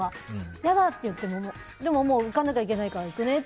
嫌だ！って言ってもでも行かなきゃいけないから行くねって。